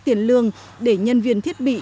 tiền lương để nhân viên thiết bị